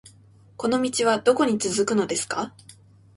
この道はどこに続くのですか